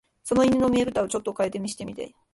その犬の眼ぶたを、ちょっとかえしてみて言いました